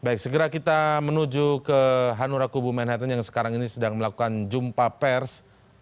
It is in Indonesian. baik segera kita menuju ke hanura kubu manhattan yang sekarang ini sedang melakukan jumpa pers